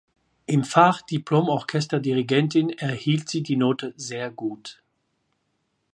Im Fach Diplomorchesterdirigentin erhielt sie die Note „sehr gut“.